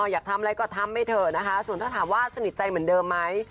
อยากทำอะไรก็ทำไปเถอะนะคะส่วนถ้าถามว่าสนิทใจเหมือนเดิมไหม